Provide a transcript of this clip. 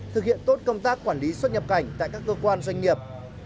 thực hiện tốt công tác quản lý xuất nhập cảnh tại các cơ quan doanh nghiệp